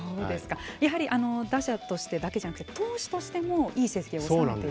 やはり打者としてだけじゃなくて投手としても、いい成績を収めていると。